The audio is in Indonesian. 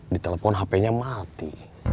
ditelepon hp nya mati